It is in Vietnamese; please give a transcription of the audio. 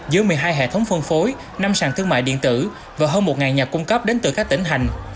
dưới một mươi hai hệ thống phân phối năm sàn thương mại điện tử và hơn một nhà cung cấp đến từ các tỉnh hành